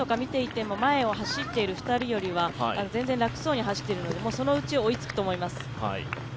表情とか見ていても、前を走っている２人よりは全然楽そうに走っているのでそのうち追いつくと思います。